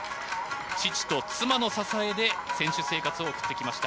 父と妻の支えで選手生活を送ってきました。